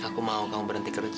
aku mau kamu berhenti kerja